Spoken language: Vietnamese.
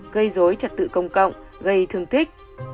gây dối trật tự công cộng gây thương tích